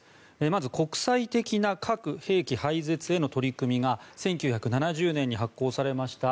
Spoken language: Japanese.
まず国際的な核兵器廃絶への取り組みが１９７０年に発効されました